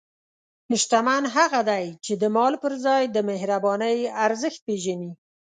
شتمن هغه دی چې د مال پر ځای د مهربانۍ ارزښت پېژني.